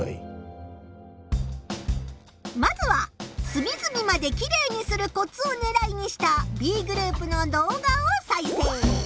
まずは「すみずみまでキレイにするコツ」をねらいにしたＢグループの動画を再生。